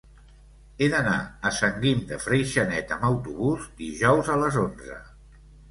He d'anar a Sant Guim de Freixenet amb autobús dijous a les onze.